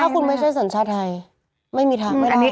ถ้าคุณไม่ใช่สัญชาไทยไม่มีทางไม่ได้